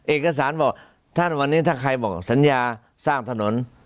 เอกสารบอกท่านวันนี้ถ้าใครบอกสัญญาสร้างถนน